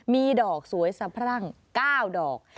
มีดอกสวยสะพรั่ง๙ดอก